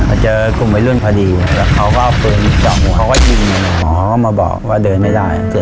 เห็นเกมกุ่มไวรุ่นพอดีเขาก็เอาปืนจ่อนสังมันก็ติด๑๑คัน